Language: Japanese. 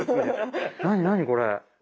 何何これ。